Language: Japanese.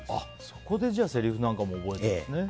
そこで、せりふなんかも覚えてるんですね。